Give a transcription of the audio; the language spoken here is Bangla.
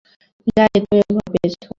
জানি তুমি ভয় পেয়েছো।